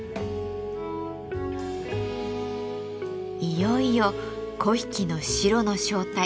いよいよ粉引の白の正体